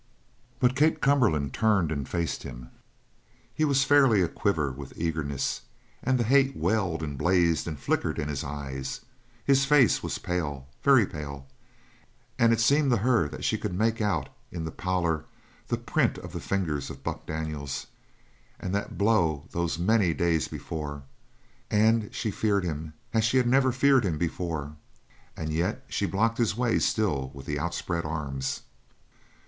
But Kate Cumberland turned and faced him. He was fairly a quiver with eagerness and the hate welled and blazed and flickered in his eyes; his face was pale very pale and it seemed to her that she could make out in the pallor the print of the fingers of Buck Daniels and that blow those many days before. And she feared him as she had never feared him before yet she blocked his way still with the outspread arms.